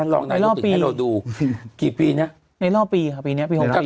รองนายรูปถึงให้เราดูกี่ปีน่ะในรอบปีค่ะปีเนี้ยปีห้องหลักปี